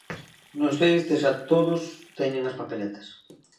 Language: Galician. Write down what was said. Non sei se xa todos teñen as papeletas.